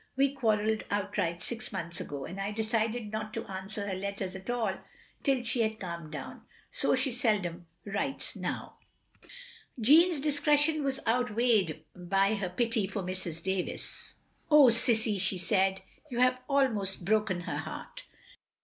We quarrelled outright six months ago, and I decided not to answer her letters at all till she had calmed down. So she seldorii writes now." 172 THE LONELY LADY Jeanne's discretion was outweighed by her pity for Mrs. Davies. " Oh, Cissie, " she said, " you have almost broken her heart.